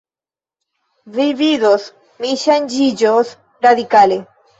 Vi vidos, mi ŝanĝiĝos radikale.